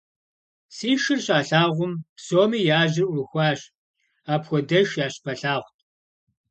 Си шыр щалъагъум, псоми я жьэр Ӏурыхуащ – апхуэдэш я щыпэлъагъут.